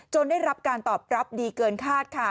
ได้รับการตอบรับดีเกินคาดค่ะ